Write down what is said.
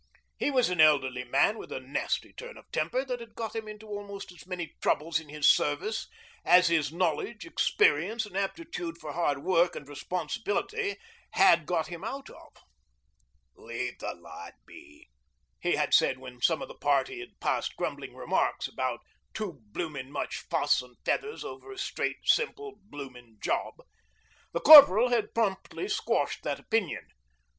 He was an elderly man with a nasty turn of temper that had got him into almost as many troubles in his service as his knowledge, experience, and aptitude for hard work and responsibility had got him out of. 'Leave the lad be,' he had said when some of the party had passed grumbling remarks about 'too bloomin' much fuss an' feathers over a straight simple bloomin' job.' The Corporal had promptly squashed that opinion.